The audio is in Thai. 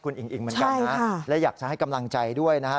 คุณอิงอิ๋งเหมือนกันนะและอยากจะให้กำลังใจด้วยนะฮะ